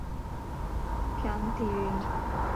شام ٿي ويئي